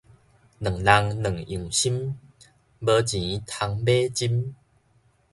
兩人兩樣心，無錢通買針